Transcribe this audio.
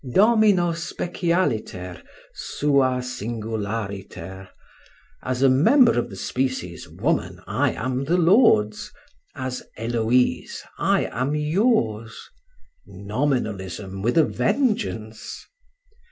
Domino specialiter, sua singulariter: "As a member of the species woman I am the Lord's, as Héloïse I am yours" nominalism with a vengeance!